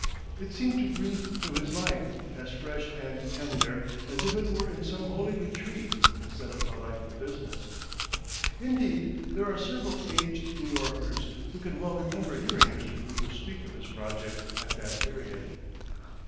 It seemed to breathe through his life as fresh and tender as if it were in some holy retreat, instead of a life of business." Indeed there are several aged New Yorkers who can well remember hearing Mr. Cooper speak of his project at that period.